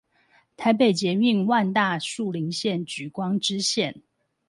台北捷運萬大樹林線莒光支線